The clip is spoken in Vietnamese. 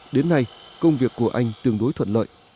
đến nay công việc của anh tương đối thuận lợi